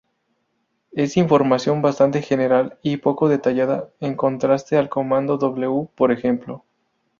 Es información bastante general y poco detallada, en contraste al comando w, por ejemplo.